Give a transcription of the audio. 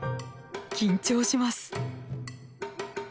緊張します